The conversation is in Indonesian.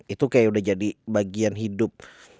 itu kayak udah jadi bagian hidup